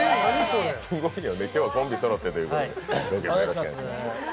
今日はコンビそろってということでよろしくお願いします。